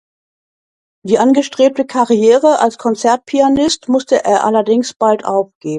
Die angestrebte Karriere als Konzertpianist musste er allerdings bald aufgeben.